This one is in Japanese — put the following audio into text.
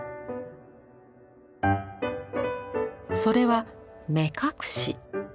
それは目隠し。